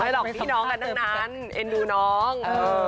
หรอกพี่น้องกันทั้งนั้นเอ็นดูน้อง